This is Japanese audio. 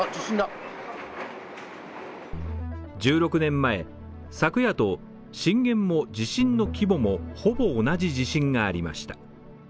１６年前、昨夜と震源も地震の規模もほぼ同じ地震がありました。